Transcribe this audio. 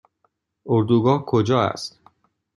اردوگاه کجا است؟